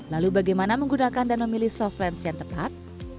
lalu bagaimana menggunakan dan memilih soft lens yang tepat